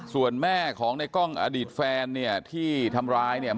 ส่วนแม่ของในกล้องอดีตแฟนเนี่ยที่ทำร้ายเนี่ย